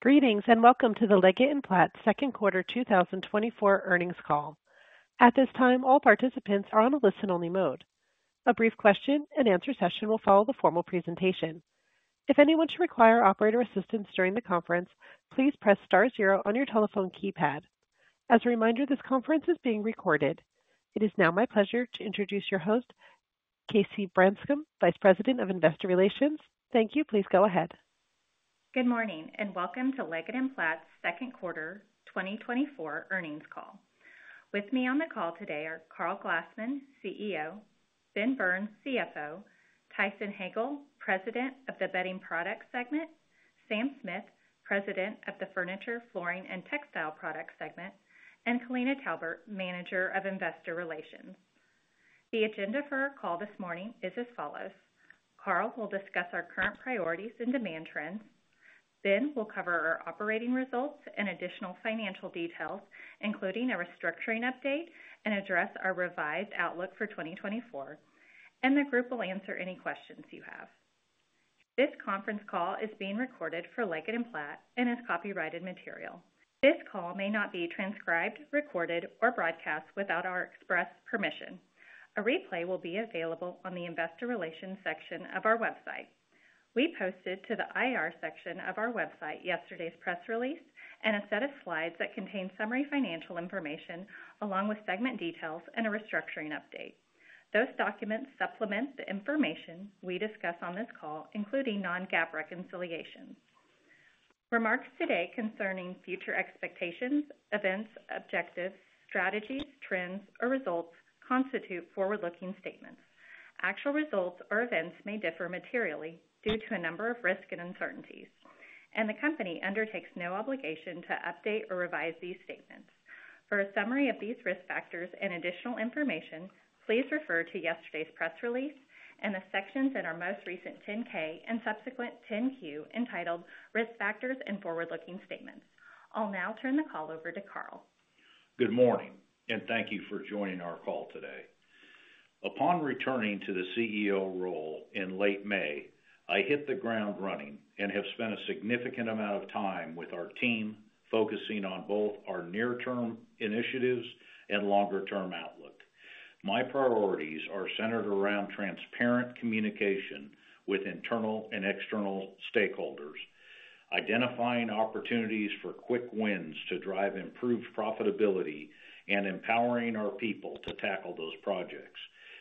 Greetings, and welcome to the Leggett & Platt second quarter 2024 earnings call. At this time, all participants are on a listen-only mode. A brief question-and-answer session will follow the formal presentation. If anyone should require operator assistance during the conference, please press star zero on your telephone keypad. As a reminder, this conference is being recorded. It is now my pleasure to introduce your host, Cassie Branscum, Vice President of Investor Relations. Thank you. Please go ahead. Good morning, and welcome to Leggett & Platt's second quarter 2024 earnings call. With me on the call today are Karl Glassman, CEO Ben Burns, CFO Tyson Hagale, President of the Bedding Products segment Sam Smith, President of the Furniture, Flooring, and Textile Product segment and Kalina Talbert, Manager of Investor Relations. The agenda for our call this morning is as follows: Karl will discuss our current priorities and demand trends. Ben will cover our operating results and additional financial details, including a restructuring update and address our revised outlook for 2024, and the group will answer any questions you have. This conference call is being recorded for Leggett & Platt and is copyrighted material. This call may not be transcribed, recorded, or broadcast without our express permission. A replay will be available on the investor relations section of our website. We posted to the IR section of our website yesterday's press release and a set of slides that contain summary financial information along with segment details and a restructuring update. Those documents supplement the information we discuss on this call, including non-GAAP reconciliations. Remarks today concerning future expectations, events, objectives, strategies, trends, or results constitute forward-looking statements. Actual results or events may differ materially due to a number of risks and uncertainties, and the company undertakes no obligation to update or revise these statements. For a summary of these risk factors and additional information, please refer to yesterday's press release and the sections in our most recent 10-K and subsequent 10-Q entitled Risk Factors and Forward-Looking Statements. I'll now turn the call over to Karl. Good morning, and thank you for joining our call today. Upon returning to the CEO role in late May, I hit the ground running and have spent a significant amount of time with our team, focusing on both our near-term initiatives and longer-term outlook. My priorities are centered around transparent communication with internal and external stakeholders, identifying opportunities for quick wins to drive improved profitability and empowering our people to tackle those projects,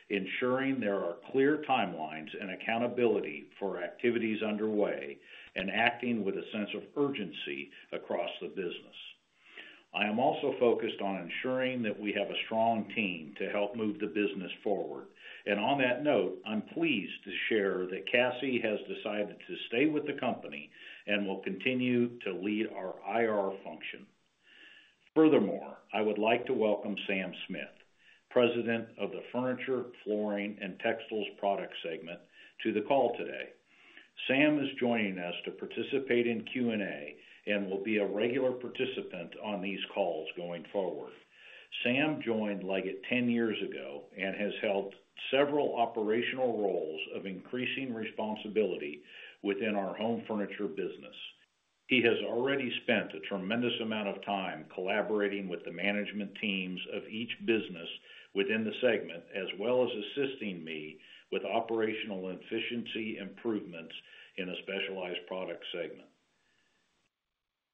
ensuring there are clear timelines and accountability for activities underway, and acting with a sense of urgency across the business. I am also focused on ensuring that we have a strong team to help move the business forward. On that note, I'm pleased to share that Cassie has decided to stay with the company and will continue to lead our IR function. Furthermore, I would like to welcome Sam Smith, President of the Furniture, Flooring, and Textile Product segment, to the call today. Sam is joining us to participate in Q&A and will be a regular participant on these calls going forward. Sam joined Leggett ten years ago and has held several operational roles of increasing responsibility within our home furniture business. He has already spent a tremendous amount of time collaborating with the management teams of each business within the segment, as well as assisting me with operational efficiency improvements in a specialized product segment.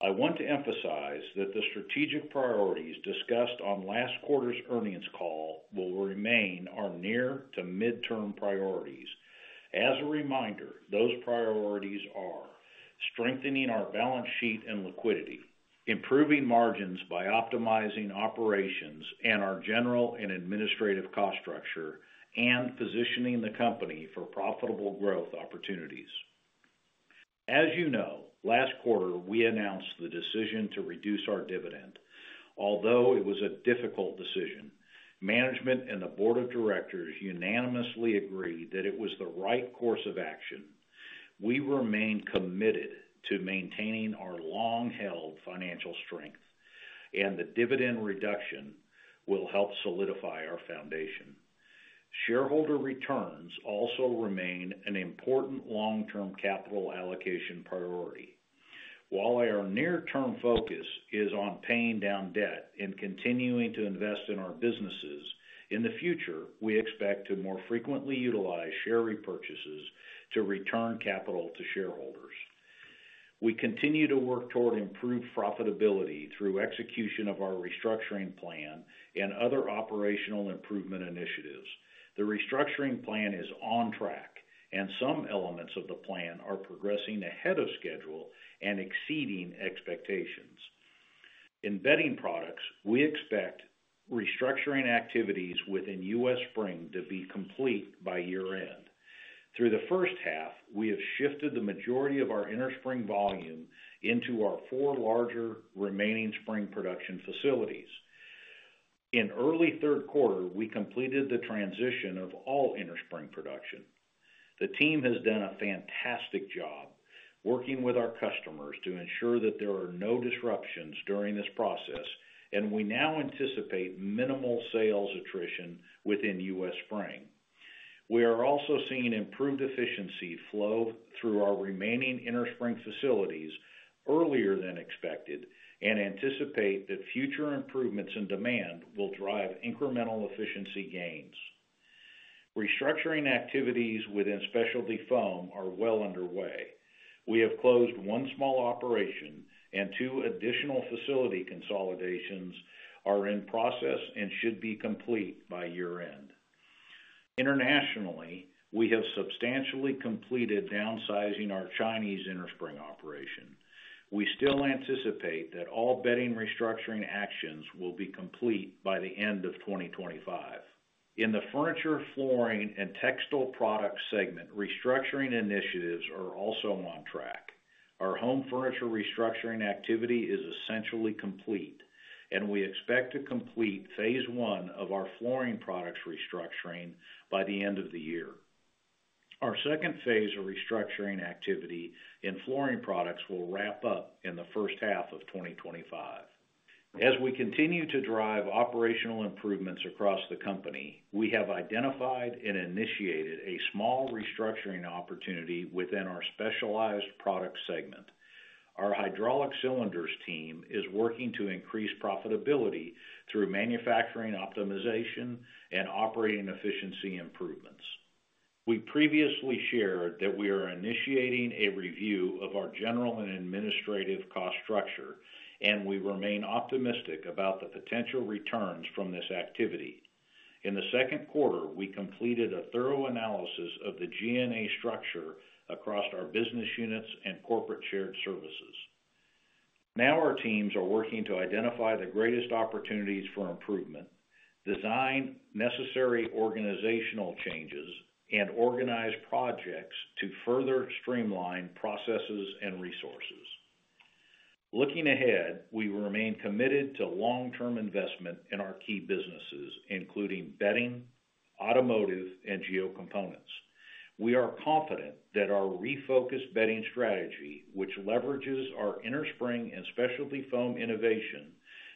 I want to emphasize that the strategic priorities discussed on last quarter's earnings call will remain our near to midterm priorities. As a reminder, those priorities are: strengthening our balance sheet and liquidity, improving margins by optimizing operations and our general and administrative cost structure, and positioning the company for profitable growth opportunities. As you know, last quarter, we announced the decision to reduce our dividend. Although it was a difficult decision, management and the board of directors unanimously agreed that it was the right course of action. We remain committed to maintaining our long-held financial strength, and the dividend reduction will help solidify our foundation. Shareholder returns also remain an important long-term capital allocation priority. While our near-term focus is on paying down debt and continuing to invest in our businesses, in the future, we expect to more frequently utilize share repurchases to return capital to shareholders. We continue to work toward improved profitability through execution of our restructuring plan and other operational improvement initiatives. The restructuring plan is on track, and some elements of the plan are progressing ahead of schedule and exceeding expectations. In bedding products, we expect restructuring activities within U.S. Spring to be complete by year-end. Through the first half, we have shifted the majority of our innerspring volume into our four larger remaining spring production facilities. In early third quarter, we completed the transition of all innerspring production. The team has done a fantastic job working with our customers to ensure that there are no disruptions during this process, and we now anticipate minimal sales attrition within U.S. Spring. We are also seeing improved efficiency flow through our remaining innerspring facilities earlier than expected, and anticipate that future improvements in demand will drive incremental efficiency gains. Restructuring activities within specialty foam are well underway. We have closed one small operation, and two additional facility consolidations are in process and should be complete by year-end. Internationally, we have substantially completed downsizing our Chinese innerspring operation. We still anticipate that all bedding restructuring actions will be complete by the end of 2025. In the Furniture, Flooring, and Textile Products segment, restructuring initiatives are also on track. Our home furniture restructuring activity is essentially complete, and we expect to complete phase one of our flooring products restructuring by the end of the year. Our second phase of restructuring activity in flooring products will wrap up in the first half of 2025. As we continue to drive operational improvements across the company, we have identified and initiated a small restructuring opportunity within our specialized product segment. Our Hydraulic Cylinders team is working to increase profitability through manufacturing optimization and operating efficiency improvements. We previously shared that we are initiating a review of our general and administrative cost structure, and we remain optimistic about the potential returns from this activity. In the second quarter, we completed a thorough analysis of the G&A structure across our business units and corporate shared services. Now our teams are working to identify the greatest opportunities for improvement, design necessary organizational changes, and organize projects to further streamline processes and resources. Looking ahead, we remain committed to long-term investment in our key businesses, including bedding, automotive, and Geo components. We are confident that our refocused bedding strategy, which leverages our innerspring and specialty foam innovation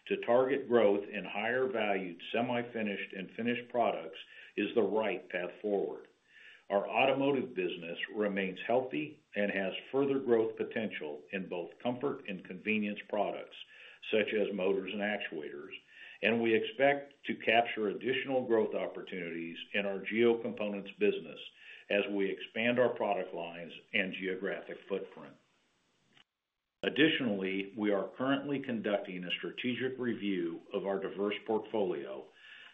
to target growth in higher-valued, semi-finished, and finished products, is the right path forward. Our automotive business remains healthy and has further growth potential in both comfort and convenience products, such as motors and actuators, and we expect to capture additional growth opportunities in our Geo components business as we expand our product lines and geographic footprint. Additionally, we are currently conducting a strategic review of our diverse portfolio,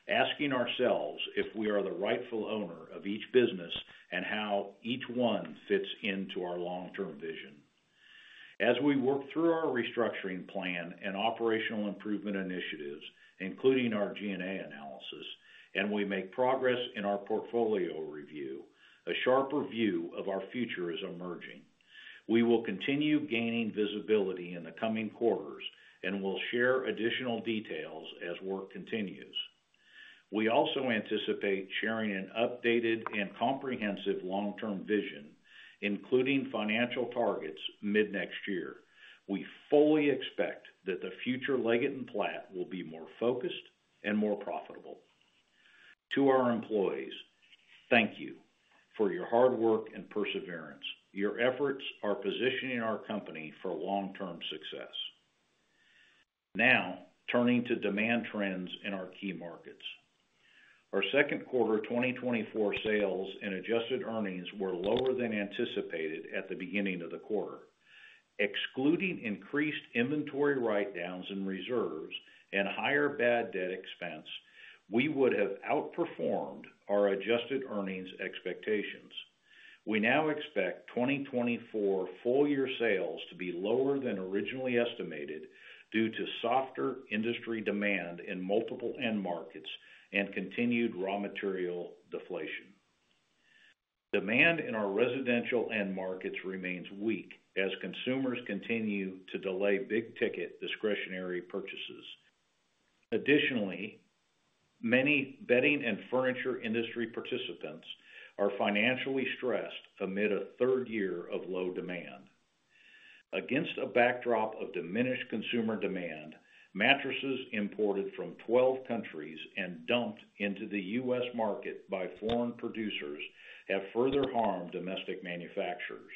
asking ourselves if we are the rightful owner of each business and how each one fits into our long-term vision. As we work through our restructuring plan and operational improvement initiatives, including our G&A analysis, and we make progress in our portfolio review, a sharper view of our future is emerging. We will continue gaining visibility in the coming quarters and will share additional details as work continues. We also anticipate sharing an updated and comprehensive long-term vision, including financial targets, mid-next year. We fully expect that the future Leggett & Platt will be more focused and more profitable. To our employees, thank you for your hard work and perseverance. Your efforts are positioning our company for long-term success. Now, turning to demand trends in our key markets. Our second quarter 2024 sales and adjusted earnings were lower than anticipated at the beginning of the quarter. Excluding increased inventory write-downs in reserves and higher bad debt expense, we would have outperformed our adjusted earnings expectations. We now expect 2024 full-year sales to be lower than originally estimated, due to softer industry demand in multiple end markets and continued raw material deflation. Demand in our residential end markets remains weak as consumers continue to delay big-ticket discretionary purchases. Additionally, many bedding and furniture industry participants are financially stressed amid a third year of low demand. Against a backdrop of diminished consumer demand, mattresses imported from 12 countries and dumped into the U.S. market by foreign producers have further harmed domestic manufacturers.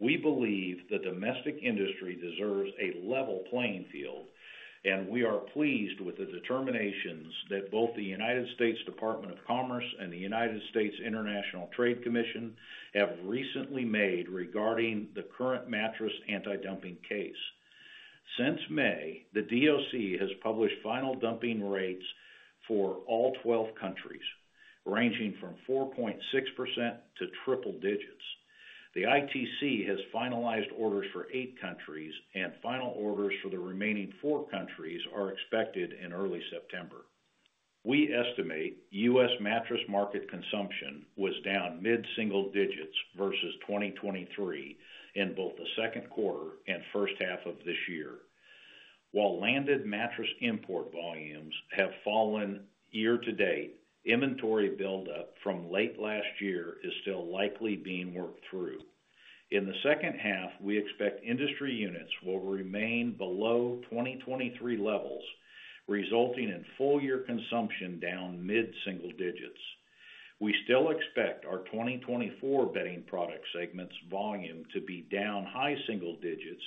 We believe the domestic industry deserves a level playing field, and we are pleased with the determinations that both the United States Department of Commerce and the United States International Trade Commission have recently made regarding the current mattress antidumping case. Since May, the DOC has published final dumping rates for all 12 countries, ranging from 4.6% to triple digits. The ITC has finalized orders for eight countries, and final orders for the remaining four countries are expected in early September. We estimate U.S. mattress market consumption was down mid-single digits versus 2023 in both the second quarter and first half of this year. While landed mattress import volumes have fallen year to date, inventory buildup from late last year is still likely being worked through. In the second half, we expect industry units will remain below 2023 levels, resulting in full-year consumption down mid-single digits. We still expect our 2024 bedding product segments volume to be down high single digits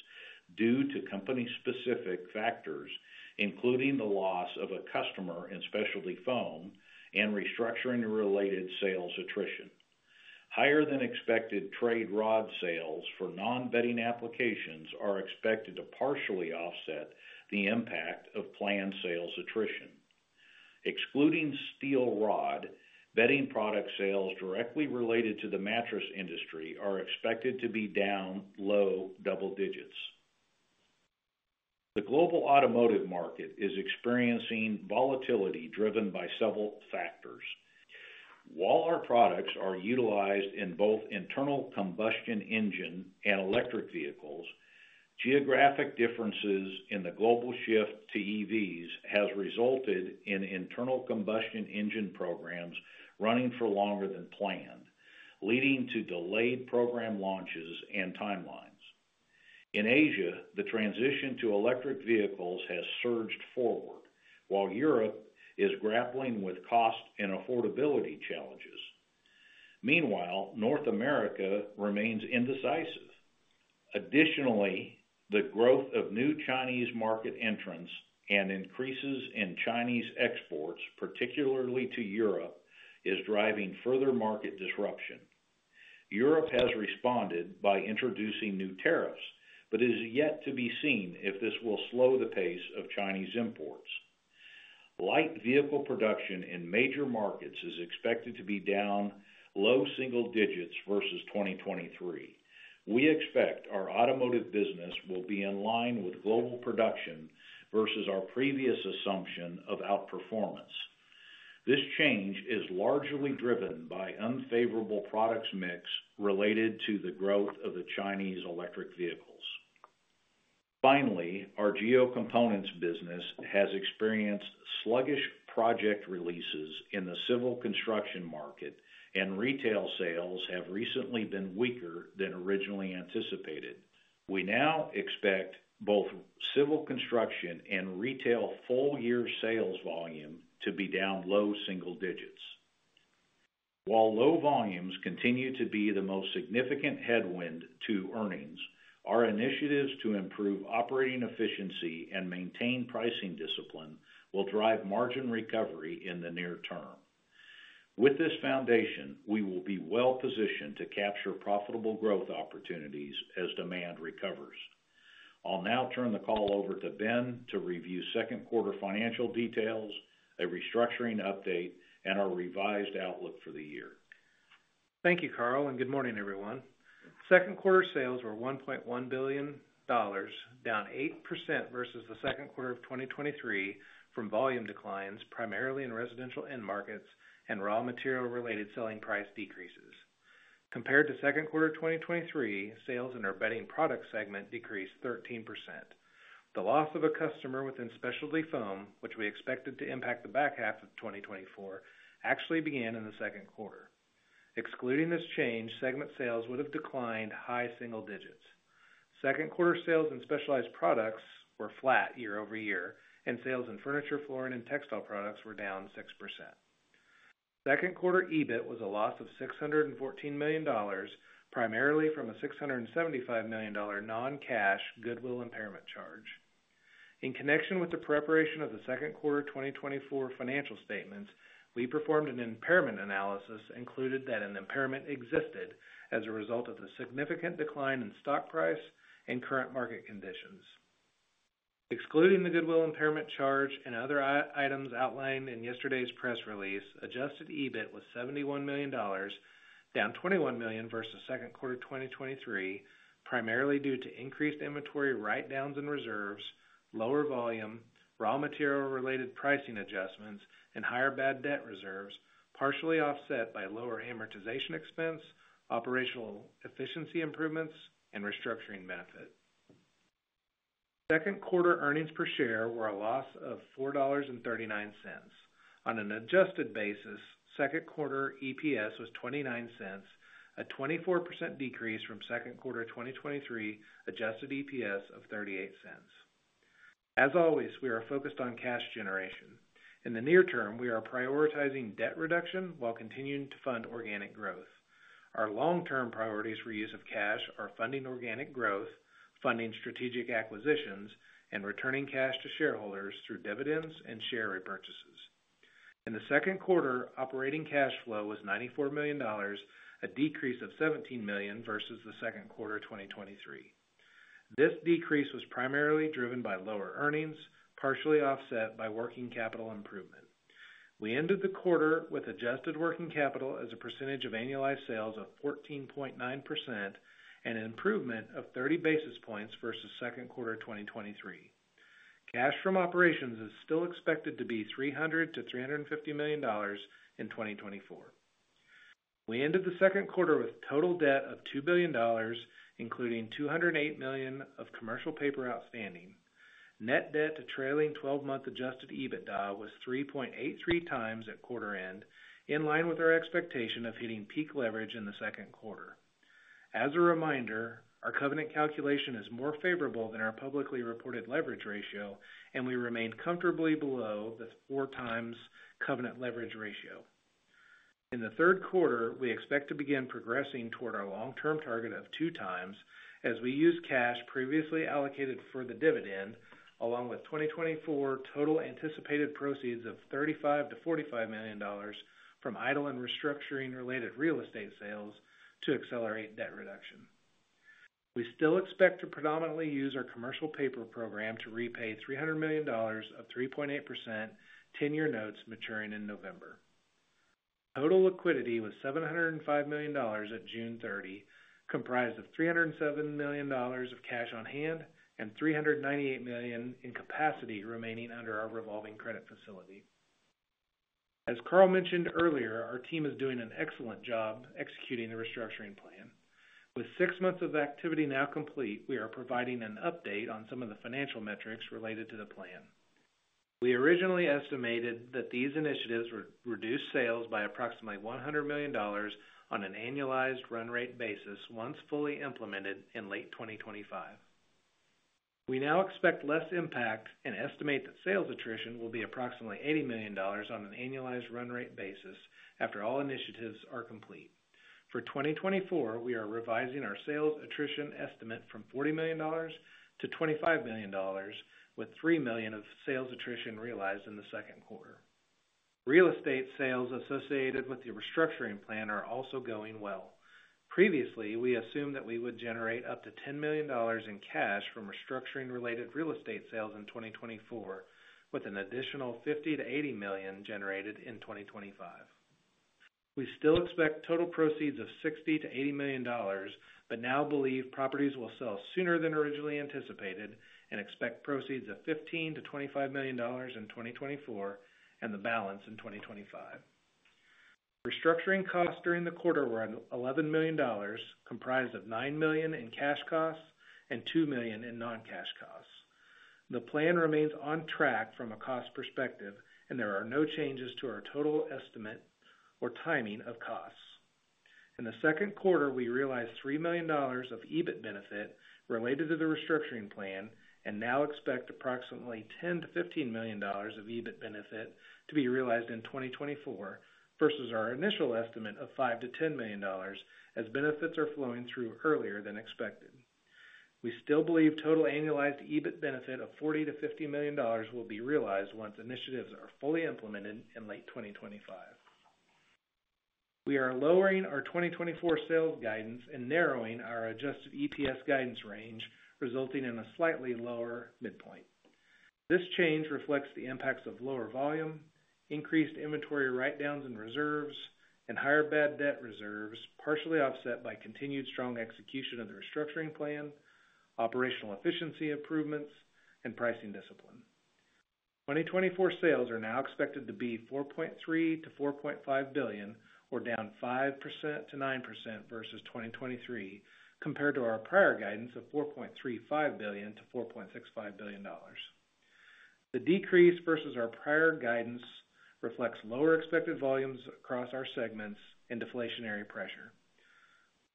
due to company-specific factors, including the loss of a customer in specialty foam and restructuring-related sales attrition. Higher than expected trade rod sales for non-bedding applications are expected to partially offset the impact of planned sales attrition. Excluding steel rod, bedding product sales directly related to the mattress industry are expected to be down low double digits. The global automotive market is experiencing volatility driven by several factors. While our products are utilized in both internal combustion engine and electric vehicles, geographic differences in the global shift to EVs has resulted in internal combustion engine programs running for longer than planned, leading to delayed program launches and timelines. In Asia, the transition to electric vehicles has surged forward, while Europe is grappling with cost and affordability challenges. Meanwhile, North America remains indecisive. Additionally, the growth of new Chinese market entrants and increases in Chinese exports, particularly to Europe, is driving further market disruption. Europe has responded by introducing new tariffs, but is yet to be seen if this will slow the pace of Chinese imports. Light vehicle production in major markets is expected to be down low single digits versus 2023. We expect our automotive business will be in line with global production versus our previous assumption of outperformance. This change is largely driven by unfavorable products mix related to the growth of the Chinese electric vehicles. Finally, our geo components business has experienced sluggish project releases in the civil construction market, and retail sales have recently been weaker than originally anticipated. We now expect both civil construction and retail full-year sales volume to be down low single digits. While low volumes continue to be the most significant headwind to earnings, our initiatives to improve operating efficiency and maintain pricing discipline will drive margin recovery in the near term. With this foundation, we will be well-positioned to capture profitable growth opportunities as demand recovers. I'll now turn the call over to Ben to review second quarter financial details, a restructuring update, and our revised outlook for the year. Thank you, Karl, and good morning, everyone. Second quarter sales were $1.1 billion, down 8% versus the second quarter of 2023 from volume declines, primarily in residential end markets and raw material-related selling price decreases. Compared to second quarter 2023, sales in our bedding product segment decreased 13%. The loss of a customer within specialty foam, which we expected to impact the back half of 2024, actually began in the second quarter. Excluding this change, segment sales would have declined high single digits. Second quarter sales in specialized products were flat year over year, and sales in furniture, flooring, and textile products were down 6%. Second quarter EBIT was a loss of $614 million, primarily from a $675 million non-cash goodwill impairment charge. In connection with the preparation of the second quarter 2024 financial statements, we performed an impairment analysis, and concluded that an impairment existed as a result of the significant decline in stock price and current market conditions. Excluding the goodwill impairment charge and other items outlined in yesterday's press release, adjusted EBIT was $71 million, down $21 million versus second quarter 2023, primarily due to increased inventory write-downs and reserves, lower volume, raw material-related pricing adjustments, and higher bad debt reserves, partially offset by lower amortization expense, operational efficiency improvements, and restructuring benefit. Second quarter earnings per share were a loss of $4.39. On an adjusted basis, second quarter EPS was $0.29, a 24% decrease from second quarter 2023 adjusted EPS of $0.38. As always, we are focused on cash generation. In the near term, we are prioritizing debt reduction while continuing to fund organic growth. Our long-term priorities for use of cash are funding organic growth, funding strategic acquisitions, and returning cash to shareholders through dividends and share repurchases. In the second quarter, operating cash flow was $94 million, a decrease of $17 million versus the second quarter of 2023. This decrease was primarily driven by lower earnings, partially offset by working capital improvement. We ended the quarter with adjusted working capital as a percentage of annualized sales of 14.9% and an improvement of 30 basis points versus second quarter of 2023. Cash from operations is still expected to be $300 million-$350 million in 2024. We ended the second quarter with total debt of $2 billion, including $208 million of commercial paper outstanding. Net debt to trailing 12-month adjusted EBITDA was 3.83 times at quarter end, in line with our expectation of hitting peak leverage in the second quarter. As a reminder, our covenant calculation is more favorable than our publicly reported leverage ratio, and we remain comfortably below the 4 times covenant leverage ratio. In the third quarter, we expect to begin progressing toward our long-term target of 2 times as we use cash previously allocated for the dividend, along with 2024 total anticipated proceeds of $35 million-$45 million from idle and restructuring-related real estate sales to accelerate debt reduction. We still expect to predominantly use our commercial paper program to repay $300 million of 3.8% 10-year notes maturing in November. Total liquidity was $705 million at June 30, comprised of $307 million of cash on hand and $398 million in capacity remaining under our revolving credit facility. As Karl mentioned earlier, our team is doing an excellent job executing the restructuring plan. With 6 months of activity now complete, we are providing an update on some of the financial metrics related to the plan. We originally estimated that these initiatives would reduce sales by approximately $100 million on an annualized run rate basis, once fully implemented in late 2025. We now expect less impact and estimate that sales attrition will be approximately $80 million on an annualized run rate basis after all initiatives are complete. For 2024, we are revising our sales attrition estimate from $40 million to $25 million, with $3 million of sales attrition realized in the second quarter. Real estate sales associated with the restructuring plan are also going well. Previously, we assumed that we would generate up to $10 million in cash from restructuring-related real estate sales in 2024, with an additional $50 million-$80 million generated in 2025. We still expect total proceeds of $60 million-$80 million, but now believe properties will sell sooner than originally anticipated and expect proceeds of $15 million-$25 million in 2024 and the balance in 2025. Restructuring costs during the quarter were $11 million, comprised of $9 million in cash costs and $2 million in non-cash costs. The plan remains on track from a cost perspective, and there are no changes to our total estimate or timing of costs. In the second quarter, we realized $3 million of EBIT benefit related to the restructuring plan and now expect approximately $10-$15 million of EBIT benefit to be realized in 2024 versus our initial estimate of $5-$10 million, as benefits are flowing through earlier than expected. We still believe total annualized EBIT benefit of $40-$50 million will be realized once initiatives are fully implemented in late 2025. We are lowering our 2024 sales guidance and narrowing our adjusted EPS guidance range, resulting in a slightly lower midpoint. This change reflects the impacts of lower volume, increased inventory write-downs and reserves, and higher bad debt reserves, partially offset by continued strong execution of the restructuring plan, operational efficiency improvements, and pricing discipline. 2024 sales are now expected to be $4.3 billion-$4.5 billion, or down 5%-9% versus 2023, compared to our prior guidance of $4.35 billion-$4.65 billion. The decrease versus our prior guidance reflects lower expected volumes across our segments and deflationary pressure.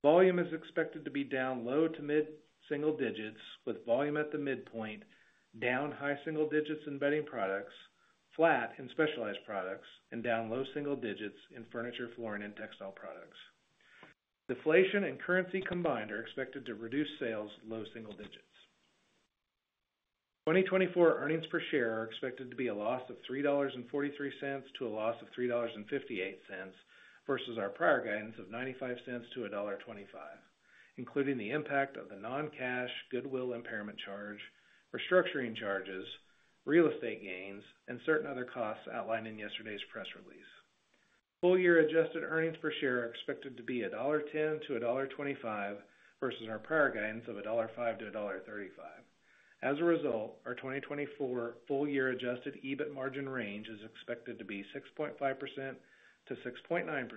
Volume is expected to be down low- to mid-single digits, with volume at the midpoint, down high single digits in bedding products, flat in specialized products, and down low single digits in furniture, flooring, and textile products. Deflation and currency combined are expected to reduce sales low single digits. 2024 earnings per share are expected to be a loss of $3.43 to a loss of $3.58 versus our prior guidance of $0.95 to $1.25, including the impact of the non-cash goodwill impairment charge, restructuring charges, real estate gains, and certain other costs outlined in yesterday's press release. Full year adjusted earnings per share are expected to be $1.10 to $1.25 versus our prior guidance of $1.05 to $1.35. As a result, our 2024 full year adjusted EBIT margin range is expected to be 6.5% to 6.9%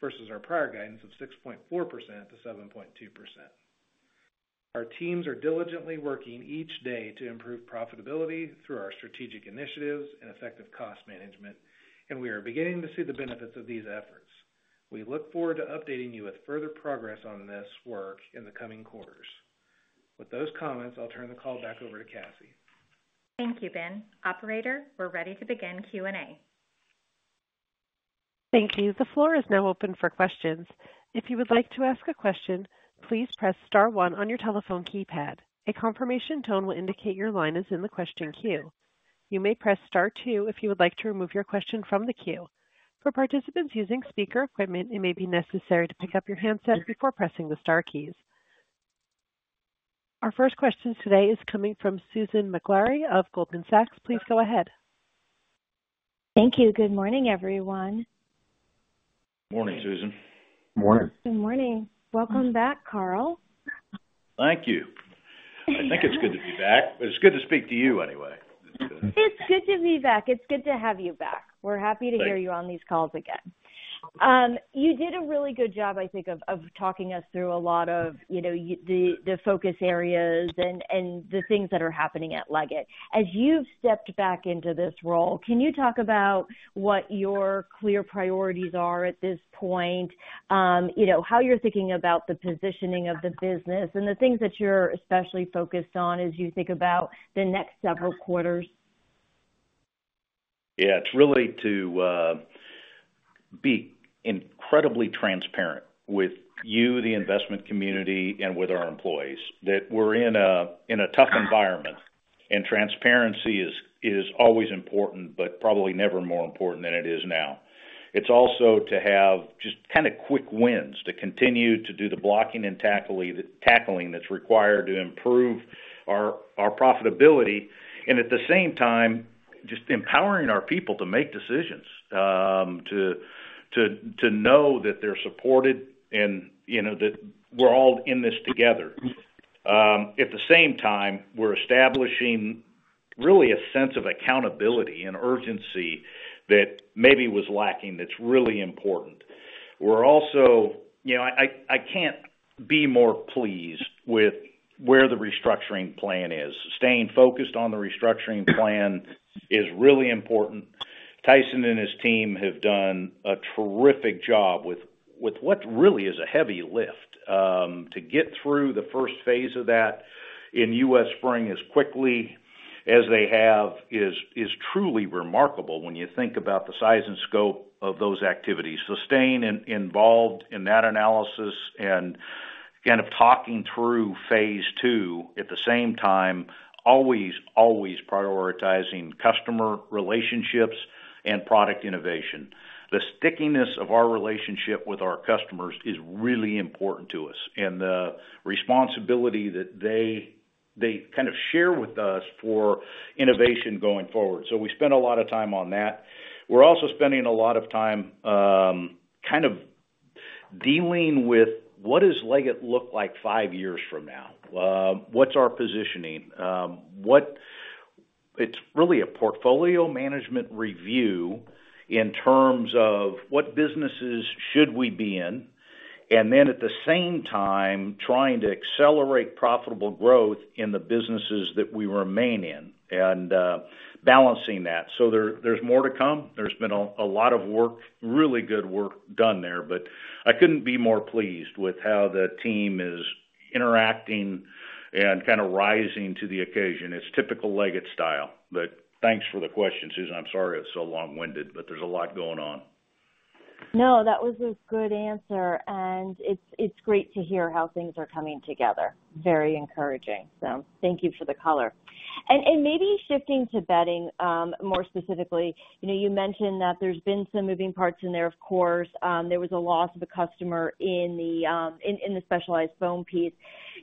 versus our prior guidance of 6.4% to 7.2%. Our teams are diligently working each day to improve profitability through our strategic initiatives and effective cost management, and we are beginning to see the benefits of these efforts. We look forward to updating you with further progress on this work in the coming quarters. With those comments, I'll turn the call back over to Cassie. Thank you, Ben. Operator, we're ready to begin Q&A. Thank you. The floor is now open for questions. If you would like to ask a question, please press star one on your telephone keypad. A confirmation tone will indicate your line is in the question queue. You may press star two if you would like to remove your question from the queue. For participants using speaker equipment, it may be necessary to pick up your handset before pressing the star keys. Our first question today is coming from Susan Maklari of Goldman Sachs. Please go ahead. Thank you. Good morning, everyone. Morning, Susan. Morning. Good morning. Welcome back, Karl. Thank you. I think it's good to be back, but it's good to speak to you anyway. It's good to be back. It's good to have you back. We're happy to hear you on these calls again. You did a really good job, I think, of talking us through a lot of, you know, the focus areas and the things that are happening at Leggett. As you've stepped back into this role, can you talk about what your clear priorities are at this point? You know, how you're thinking about the positioning of the business and the things that you're especially focused on as you think about the next several quarters? Yeah, it's really to be incredibly transparent with you, the investment community, and with our employees, that we're in a tough environment, and transparency is always important, but probably never more important than it is now. It's also to have just kind of quick wins, to continue to do the blocking and tackling that's required to improve our profitability, and at the same time, just empowering our people to make decisions, to know that they're supported and, you know, that we're all in this together. At the same time, we're establishing really a sense of accountability and urgency that maybe was lacking, that's really important. We're also. You know, I can't be more pleased with where the restructuring plan is. Staying focused on the restructuring plan is really important. Tyson and his team have done a terrific job with what really is a heavy lift. To get through the first phase of that in U.S. Spring as quickly as they have is truly remarkable when you think about the size and scope of those activities. So staying involved in that analysis and kind of talking through phase two, at the same time, always prioritizing customer relationships and product innovation. The stickiness of our relationship with our customers is really important to us, and the responsibility that they kind of share with us for innovation going forward. So we spend a lot of time on that. We're also spending a lot of time, kind of dealing with what does Leggett look like five years from now? What's our positioning? It's really a portfolio management review in terms of what businesses should we be in, and then, at the same time, trying to accelerate profitable growth in the businesses that we remain in and, balancing that. So there, there's more to come. There's been a lot of work, really good work done there, but I couldn't be more pleased with how the team is interacting and kind of rising to the occasion. It's typical Leggett style. But thanks for the question, Susan. I'm sorry it's so long-winded, but there's a lot going on. No, that was a good answer, and it's great to hear how things are coming together. Very encouraging. So thank you for the color. And maybe shifting to bedding, more specifically, you know, you mentioned that there's been some moving parts in there, of course. There was a loss of a customer in the specialty foam piece.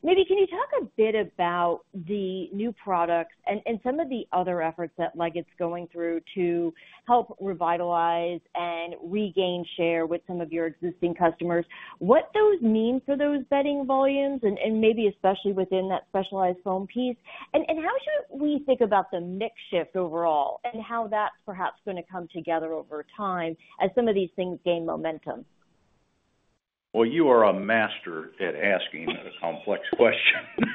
Maybe can you talk a bit about the new products and some of the other efforts that Leggett's going through to help revitalize and regain share with some of your existing customers, what those mean for those bedding volumes and maybe especially within that specialty foam piece? And how should we think about the mix shift overall and how that's perhaps gonna come together over time as some of these things gain momentum? Well, you are a master at asking a complex question.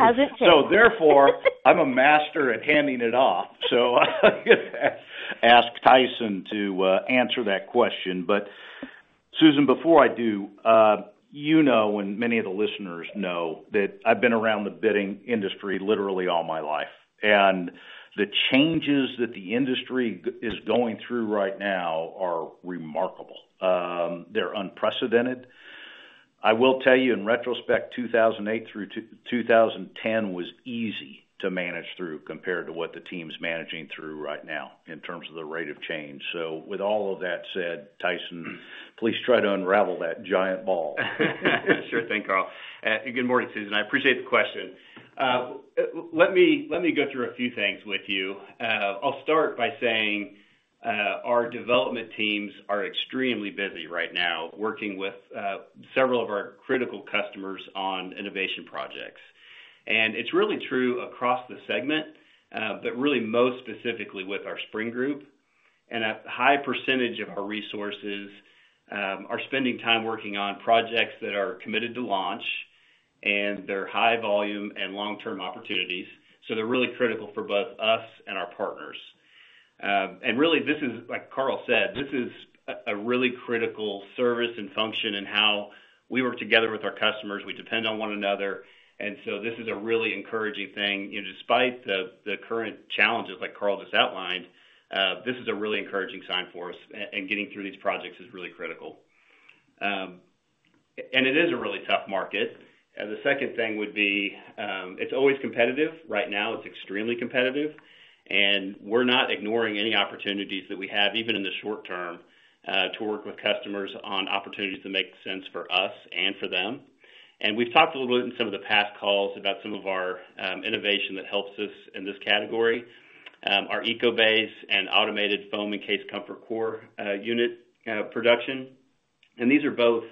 As it takes. So therefore, I'm a master at handing it off. So I'm gonna ask Tyson to answer that question. But Susan, before I do, you know, and many of the listeners know, that I've been around the bedding industry literally all my life, and the changes that the industry is going through right now are remarkable. They're unprecedented. I will tell you, in retrospect, 2008 through 2010 was easy to manage through compared to what the team's managing through right now in terms of the rate of change. So with all of that said, Tyson, please try to unravel that giant ball. Sure thing, Karl. Good morning, Susan. I appreciate the question. Let me go through a few things with you. I'll start by saying, our development teams are extremely busy right now working with several of our critical customers on innovation projects. And it's really true across the segment, but really most specifically with our Spring group. And a high percentage of our resources are spending time working on projects that are committed to launch, and they're high volume and long-term opportunities, so they're really critical for both us and our partners. And really, this is, like Karl said, this is a really critical service and function in how we work together with our customers. We depend on one another, and so this is a really encouraging thing. You know, despite the current challenges, like Karl just outlined, this is a really encouraging sign for us, and getting through these projects is really critical. And it is a really tough market. The second thing would be, it's always competitive. Right now, it's extremely competitive, and we're not ignoring any opportunities that we have, even in the short term, to work with customers on opportunities that make sense for us and for them. And we've talked a little bit in some of the past calls about some of our innovation that helps us in this category. Our Eco-Base and automated foam and encased ComfortCore unit production. And these are both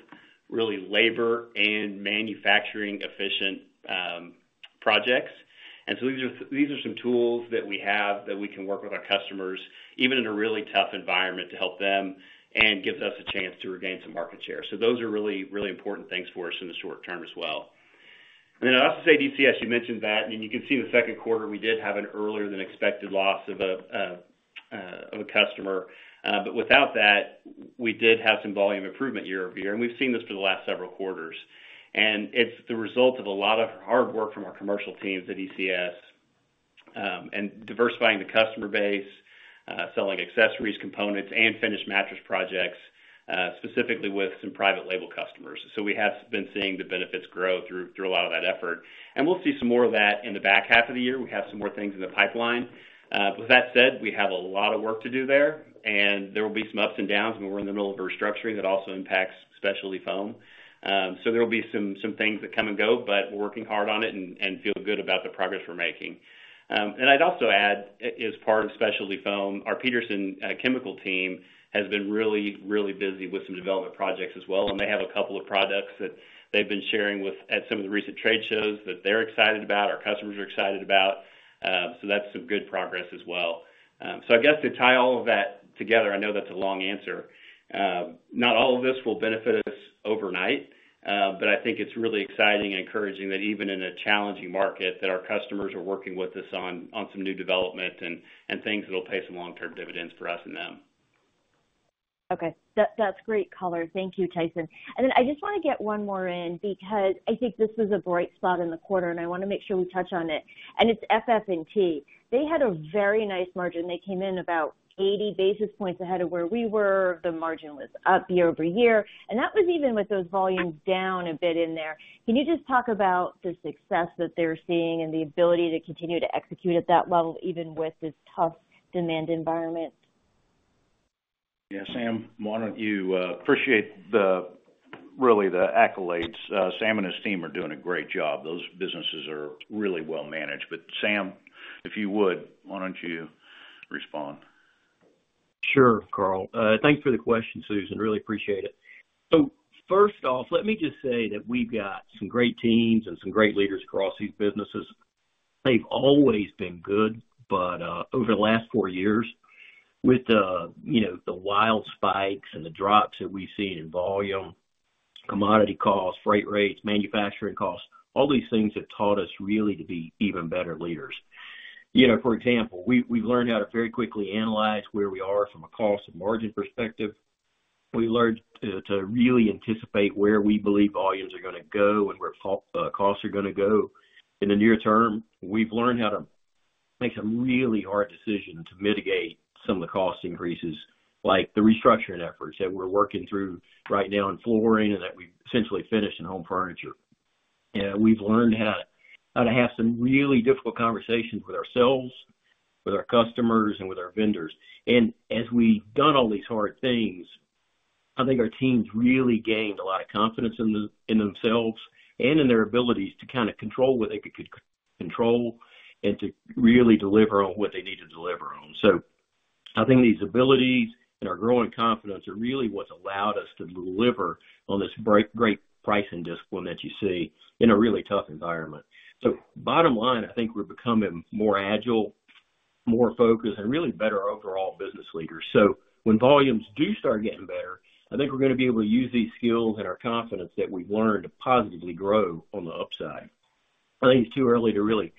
really labor- and manufacturing-efficient projects. And so these are, these are some tools that we have that we can work with our customers, even in a really tough environment, to help them and gives us a chance to regain some market share. So those are really, really important things for us in the short term as well. And then I'll also say, ECS, you mentioned that, and you can see in the second quarter, we did have an earlier than expected loss of a customer. But without that, we did have some volume improvement year-over-year, and we've seen this for the last several quarters. And it's the result of a lot of hard work from our commercial teams at ECS, and diversifying the customer base, selling accessories, components, and finished mattress projects, specifically with some private label customers. So we have been seeing the benefits grow through, through a lot of that effort. And we'll see some more of that in the back half of the year. We have some more things in the pipeline. But with that said, we have a lot of work to do there, and there will be some ups and downs when we're in the middle of a restructuring that also impacts specialty foam. So there will be some, some things that come and go, but we're working hard on it and, and feel good about the progress we're making. And I'd also add, as part of specialty foam, our Peterson Chemical team has been really, really busy with some development projects as well, and they have a couple of products that they've been sharing with at some of the recent trade shows that they're excited about, our customers are excited about. So that's some good progress as well. So I guess to tie all of that together, I know that's a long answer. Not all of this will benefit us overnight, but I think it's really exciting and encouraging that even in a challenging market, that our customers are working with us on some new development and things that will pay some long-term dividends for us and them. Okay. That's great color. Thank you, Tyson. And then I just wanna get one more in because I think this is a bright spot in the quarter, and I wanna make sure we touch on it, and it's FF and T. They had a very nice margin. They came in about 80 basis points ahead of where we were. The margin was up year-over-year, and that was even with those volumes down a bit in there. Can you just talk about the success that they're seeing and the ability to continue to execute at that level, even with this tough demand environment? Yeah, Sam, why don't you appreciate the really, the accolades. Sam and his team are doing a great job. Those businesses are really well managed. But Sam, if you would, why don't you respond? Sure, Karl. Thanks for the question, Susan. Really appreciate it. So first off, let me just say that we've got some great teams and some great leaders across these businesses. They've always been good, but over the last four years, with the, you know, the wild spikes and the drops that we've seen in volume, commodity costs, freight rates, manufacturing costs, all these things have taught us really to be even better leaders. You know, for example, we've learned how to very quickly analyze where we are from a cost and margin perspective. We learned to really anticipate where we believe volumes are gonna go and where costs are gonna go. In the near term, we've learned how to make some really hard decisions to mitigate some of the cost increases, like the restructuring efforts that we're working through right now in flooring and that we've essentially finished in home furniture. We've learned how to, how to have some really difficult conversations with ourselves, with our customers, and with our vendors. As we've done all these hard things, I think our teams really gained a lot of confidence in themselves and in their abilities to kinda control what they could, could control and to really deliver on what they need to deliver on. I think these abilities and our growing confidence are really what's allowed us to deliver on this great pricing discipline that you see in a really tough environment. So bottom line, I think we're becoming more agile, more focused, and really better overall business leaders. So when volumes do start getting better, I think we're gonna be able to use these skills and our confidence that we've learned to positively grow on the upside. I think it's too early to really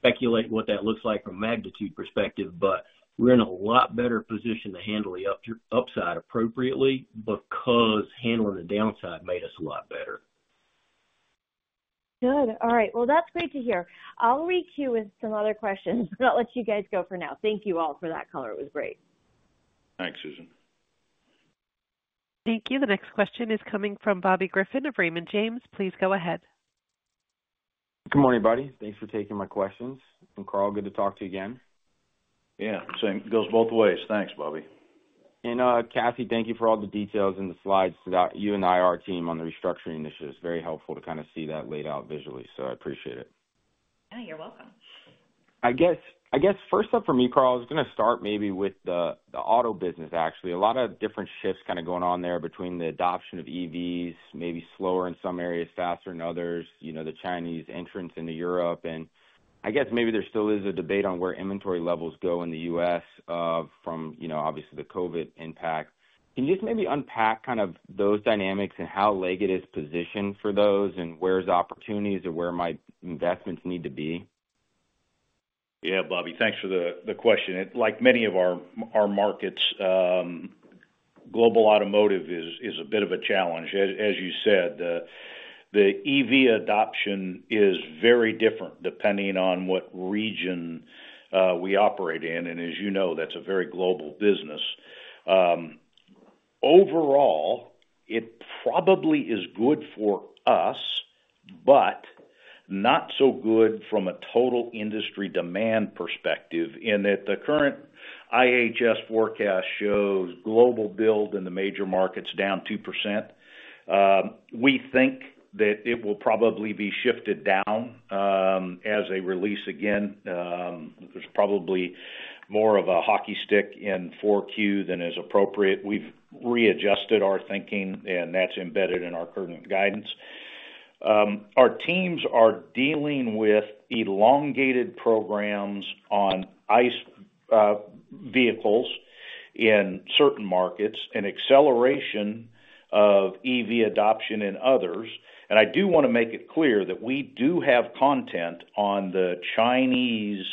speculate what that looks like from a magnitude perspective, but we're in a lot better position to handle the upside appropriately, because handling the downside made us a lot better. Good. All right, well, that's great to hear. I'll reach you with some other questions, but I'll let you guys go for now. Thank you all for that color. It was great. Thanks, Susan. Thank you. The next question is coming from Bobby Griffin of Raymond James. Please go ahead. Good morning, everybody. Thanks for taking my questions. Karl, good to talk to you again. Yeah, same. Goes both ways. Thanks, Bobby. Cassie, thank you for all the details in the slides that you and the IR team on the restructuring initiatives. Very helpful to kinda see that laid out visually, so I appreciate it. Yeah, you're welcome. I guess, I guess first up for me, Karl, I was gonna start maybe with the, the auto business, actually. A lot of different shifts kinda going on there between the adoption of EVs, maybe slower in some areas, faster than others, you know, the Chinese entrants into Europe. And I guess maybe there still is a debate on where inventory levels go in the U.S., from, you know, obviously the COVID impact. Can you just maybe unpack kind of those dynamics and how Leggett is positioned for those, and where's the opportunities or where might investments need to be? Yeah, Bobby, thanks for the question. It—like many of our markets, global automotive is a bit of a challenge. As you said, the EV adoption is very different depending on what region we operate in, and as you know, that's a very global business. Overall, it probably is good for us, but not so good from a total industry demand perspective, in that the current IHS forecast shows global build in the major markets down 2%. We think that it will probably be shifted down as a release again. There's probably more of a hockey stick in 4Q than is appropriate. We've readjusted our thinking, and that's embedded in our current guidance. Our teams are dealing with elongated programs on ICE vehicles in certain markets, and acceleration of EV adoption in others. I do wanna make it clear that we do have content on the Chinese,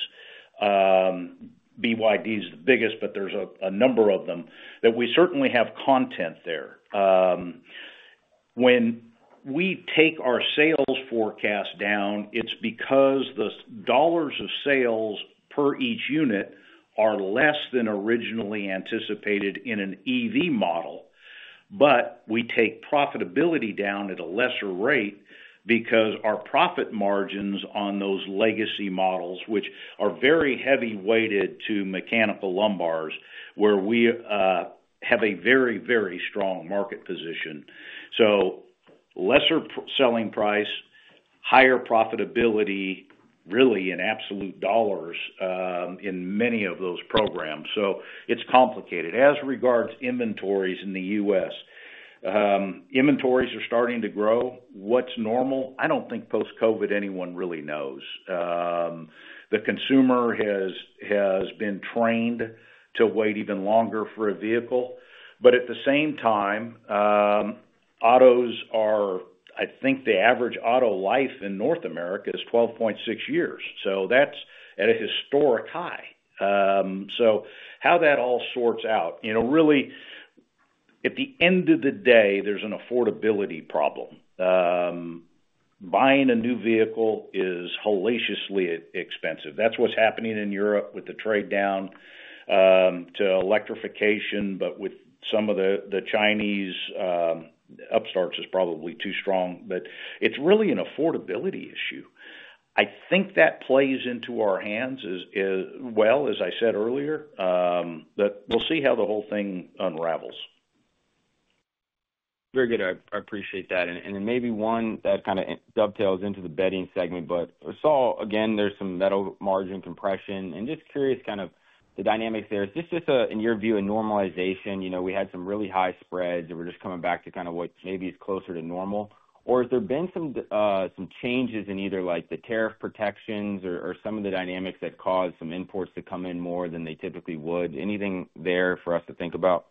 BYD is the biggest, but there's a number of them, that we certainly have content there. When we take our sales forecast down, it's because the dollars of sales per each unit are less than originally anticipated in an EV model, but we take profitability down at a lesser rate because our profit margins on those legacy models, which are very heavy weighted to mechanical lumbars, where we have a very, very strong market position. So lesser selling price, higher profitability, really, in absolute dollars, in many of those programs. So it's complicated. As regards inventories in the U.S., inventories are starting to grow. What's normal? I don't think post-COVID, anyone really knows. The consumer has been trained to wait even longer for a vehicle, but at the same time, autos are—I think the average auto life in North America is 12.6 years, so that's at a historic high. So how that all sorts out, you know, really, at the end of the day, there's an affordability problem. Buying a new vehicle is hellaciously expensive. That's what's happening in Europe with the trade down to electrification, but with some of the Chinese upstarts is probably too strong, but it's really an affordability issue. I think that plays into our hands as well, as I said earlier, but we'll see how the whole thing unravels. Very good. I appreciate that. And then maybe one that kind of dovetails into the bedding segment, but I saw, again, there's some metal margin compression, and just curious, kind of the dynamics there. Is this just a, in your view, a normalization? You know, we had some really high spreads, and we're just coming back to kind of what maybe is closer to normal. Or has there been some, some changes in either, like, the tariff protections or some of the dynamics that cause some imports to come in more than they typically would? Anything there for us to think about?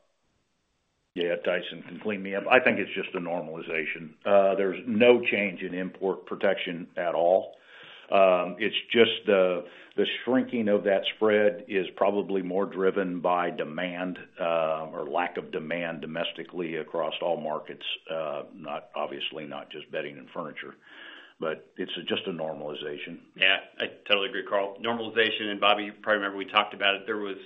Yeah, Tyson can clean me up. I think it's just a normalization. There's no change in import protection at all. It's just the shrinking of that spread is probably more driven by demand, or lack of demand domestically across all markets, obviously not just bedding and furniture, but it's just a normalization. Yeah, I totally agree, Karl. Normalization, and Bobby, you probably remember we talked about it, there was,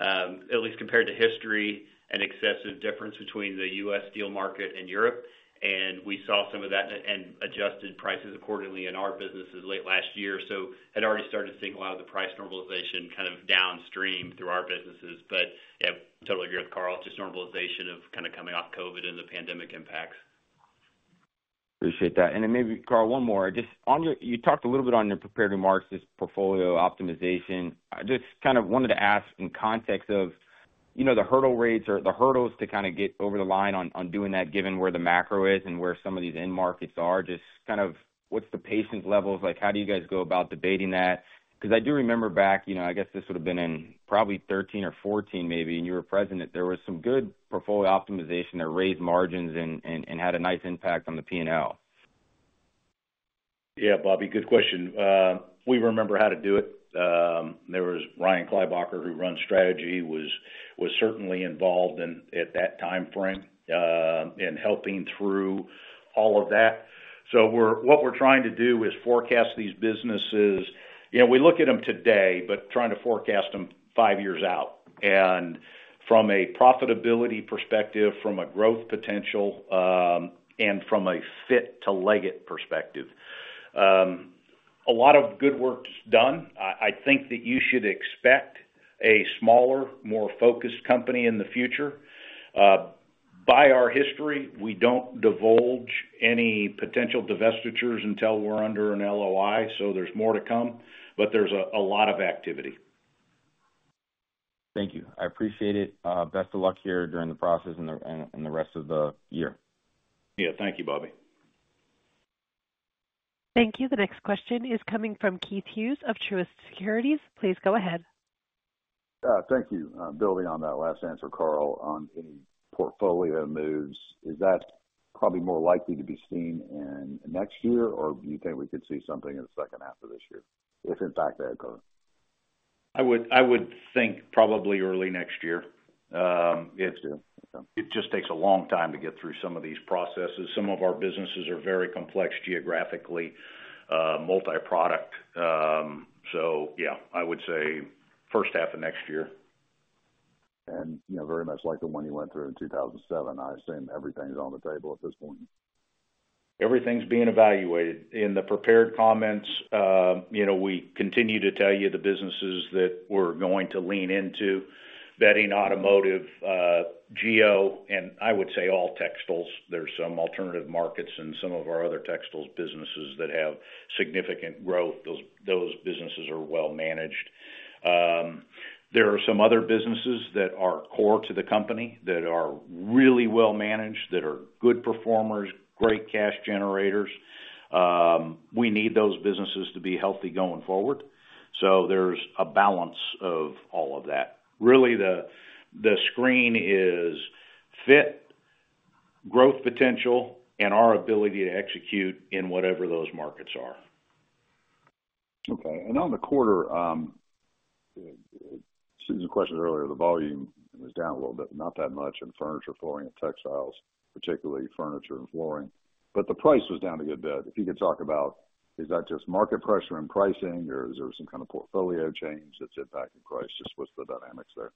at least compared to history, an excessive difference between the U.S. steel market and Europe, and we saw some of that and, and adjusted prices accordingly in our businesses late last year. So had already started to see a lot of the price normalization kind of downstream through our businesses. But, yeah, totally agree with Karl. It's just normalization of kind of coming off COVID and the pandemic impacts. Appreciate that. And then maybe, Karl, one more. Just on your—you talked a little bit on your prepared remarks, this portfolio optimization. I just kind of wanted to ask in context of, you know, the hurdle rates or the hurdles to kind of get over the line on, on doing that, given where the macro is and where some of these end markets are, just kind of what's the patience levels? Like, how do you guys go about debating that? Because I do remember back, you know, I guess this would have been in probably 2013 or 2014, maybe, and you were president, there was some good portfolio optimization that raised margins and, and, and had a nice impact on the P&L. Yeah, Bobby, good question. We remember how to do it. There was Ryan Kleiboeker, who runs strategy, was certainly involved in, at that timeframe, in helping through all of that. So, what we're trying to do is forecast these businesses. You know, we look at them today, but trying to forecast them five years out, and from a profitability perspective, from a growth potential, and from a fit to Leggett perspective. A lot of good work's done. I think that you should expect a smaller, more focused company in the future. By our history, we don't divulge any potential divestitures until we're under an LOI, so there's more to come, but there's a lot of activity. Thank you. I appreciate it. Best of luck here during the process and the rest of the year. Yeah. Thank you, Bobby. Thank you. The next question is coming from Keith Hughes of Truist Securities. Please go ahead. Thank you. Building on that last answer, Karl, on any portfolio moves, is that probably more likely to be seen in next year, or do you think we could see something in the second half of this year, if in fact, they occur? I would think probably early next year. Okay. It just takes a long time to get through some of these processes. Some of our businesses are very complex geographically, multi-product. So yeah, I would say first half of next year. You know, very much like the one you went through in 2007, I assume everything is on the table at this point? Everything's being evaluated. In the prepared comments, you know, we continue to tell you the businesses that we're going to lean into: bedding, automotive, geo, and I would say all textiles. There's some alternative markets in some of our other textiles businesses that have significant growth. Those businesses are well managed. There are some other businesses that are core to the company, that are really well managed, that are good performers, great cash generators. We need those businesses to be healthy going forward. So there's a balance of all of that. Really, the screen is fit, growth potential, and our ability to execute in whatever those markets are. Okay. And on the quarter, Susan's question earlier, the volume was down a little bit, not that much in furniture, flooring, and textiles, particularly furniture and flooring, but the price was down a good bit. If you could talk about, is that just market pressure and pricing, or is there some kind of portfolio change that's impacting price? Just what's the dynamics there?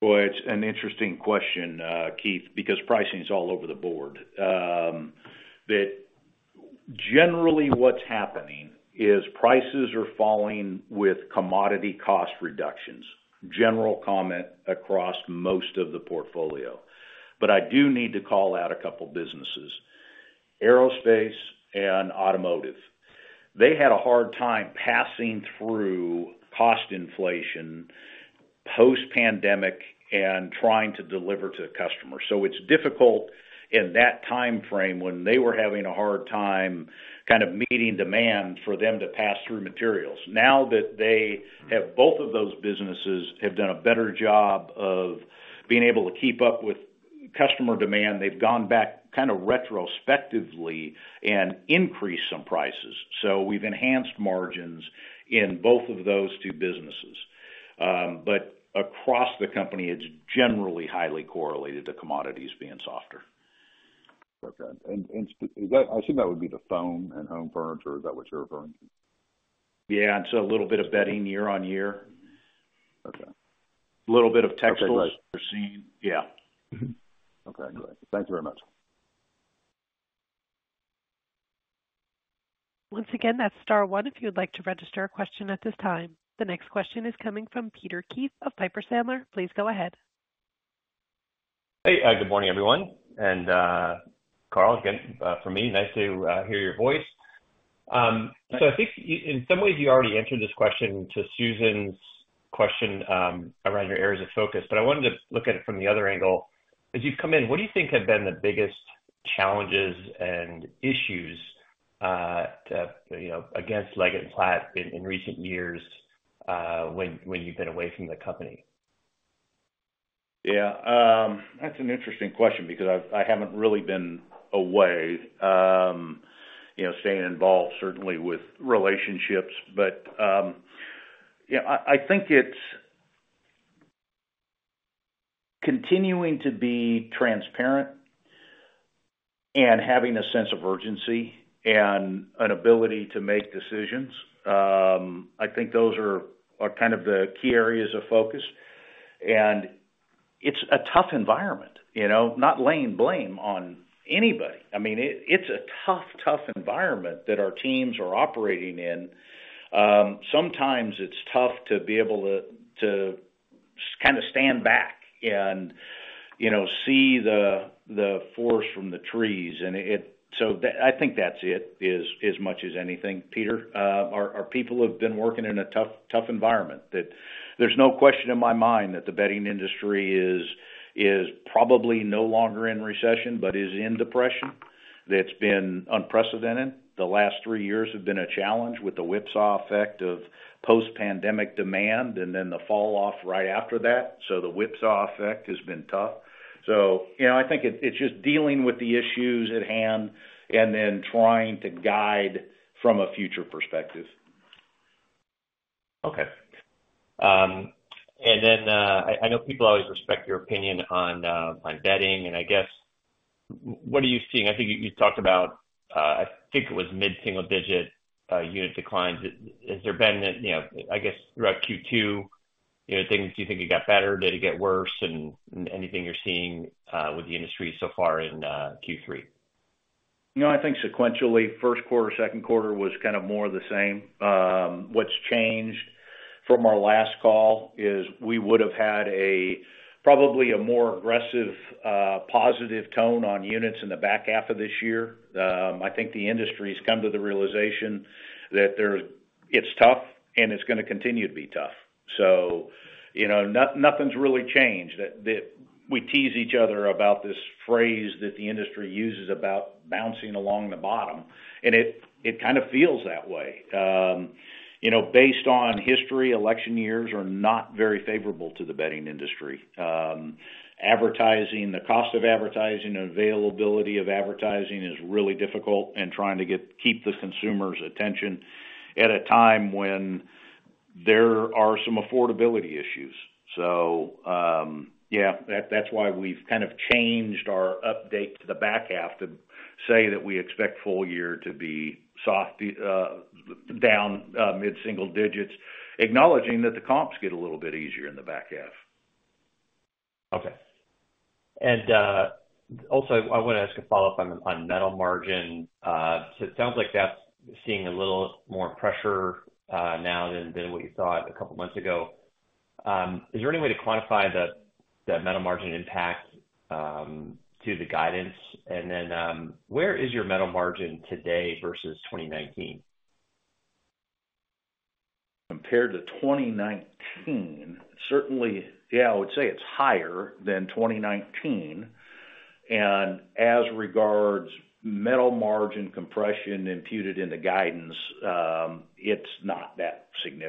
Well, it's an interesting question, Keith, because pricing is all over the board. But generally, what's happening is prices are falling with commodity cost reductions. General comment across most of the portfolio, but I do need to call out a couple of businesses: aerospace and automotive. They had a hard time passing through cost inflation, post-pandemic and trying to deliver to the customer. So it's difficult in that timeframe when they were having a hard time kind of meeting demand for them to pass through materials. Now that they have both of those businesses have done a better job of being able to keep up with customer demand, they've gone back kind of retrospectively and increased some prices. So we've enhanced margins in both of those two businesses. But across the company, it's generally highly correlated to commodities being softer. Okay. So I assume that would be the foam and home furniture. Is that what you're referring to? Yeah, it's a little bit of bedding year-over-year. Okay. A little bit of textiles- Okay, got it. Yeah. Mm-hmm. Okay, great. Thank you very much. Once again, that's star one, if you would like to register a question at this time. The next question is coming from Peter Keith of Piper Sandler. Please go ahead. Hey, good morning, everyone, and, Karl, again, for me, nice to hear your voice. So I think in some ways, you already answered this question to Susan's question around your areas of focus, but I wanted to look at it from the other angle. As you've come in, what do you think have been the biggest challenges and issues, you know, against Leggett & Platt in recent years, when you've been away from the company? Yeah, that's an interesting question because I haven't really been away. You know, staying involved, certainly with relationships. But, yeah, I think it's continuing to be transparent and having a sense of urgency and an ability to make decisions. I think those are kind of the key areas of focus, and it's a tough environment. You know, not laying blame on anybody. I mean, it's a tough, tough environment that our teams are operating in. Sometimes it's tough to be able to kind of stand back and, you know, see the forest from the trees. So I think that's it, as much as anything, Peter. Our people have been working in a tough, tough environment. That there's no question in my mind that the bedding industry is probably no longer in recession, but is in depression. That's been unprecedented. The last three years have been a challenge with the whipsaw effect of post-pandemic demand and then the falloff right after that. So the whipsaw effect has been tough. So, you know, I think it's just dealing with the issues at hand and then trying to guide from a future perspective. Okay. And then, I know people always respect your opinion on bedding, and I guess, what are you seeing? I think you talked about, I think it was mid-single digit unit declines. Has there been, you know, I guess, throughout Q2, you know, things do you think it got better? Did it get worse? And anything you're seeing with the industry so far in Q3? You know, I think sequentially, first quarter, second quarter was kind of more of the same. What's changed from our last call is we would have had a probably a more aggressive positive tone on units in the back half of this year. I think the industry's come to the realization that it's tough, and it's gonna continue to be tough. So, you know, nothing's really changed. That we tease each other about this phrase that the industry uses about bouncing along the bottom, and it kind of feels that way. You know, based on history, election years are not very favorable to the bedding industry. Advertising, the cost of advertising, availability of advertising is really difficult, and trying to keep the consumer's attention at a time when there are some affordability issues. So, yeah, that's why we've kind of changed our update to the back half to say that we expect full year to be soft, down mid-single digits, acknowledging that the comps get a little bit easier in the back half. Okay. And also, I want to ask a follow-up on metal margin. So it sounds like that's seeing a little more pressure now than what you thought a couple of months ago. Is there any way to quantify the metal margin impact to the guidance? And then, where is your metal margin today versus 2019? Compared to 2019? Certainly, yeah, I would say it's higher than 2019. And as regards metal margin compression imputed in the guidance, it's not that significant.